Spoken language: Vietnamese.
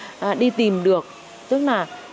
tức là đi tìm được những cái bệnh không lây nhiễm hivs